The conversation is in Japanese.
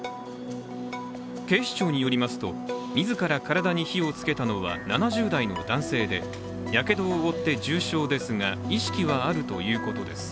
警視庁によりますと、自ら体に火をつけたのは７０代の男性でやけどを負って重傷ですが、意識はあるということです。